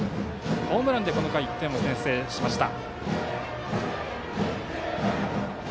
ホームランで、この回１点を先制しました。